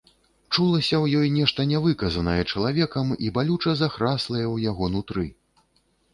Чулася ў ёй нешта нявыказанае чалавекам і балюча захраслае ў яго нутры.